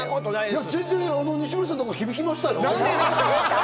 全然、西村さんの方が響きましたよ？